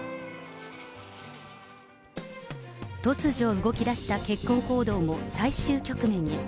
突如、動きだした結婚報道も最終局面に。